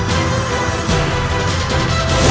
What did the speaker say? dengan menggoyokku seperti itu